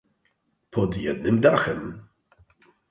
"Pod jednym dachem."